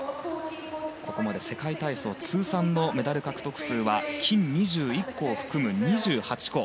ここまで世界体操通算のメダル獲得数は金２１個を含む２８個。